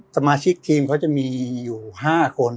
สมาชิกทีมเขาจะมีอยู่๕คน